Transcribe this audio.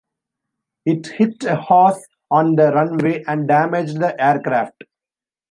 It hit a horse on the runway and damaged the aircraft.